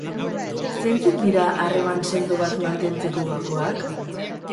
Zeintzuk dira harreman sendo bat mantentzeko gakoak?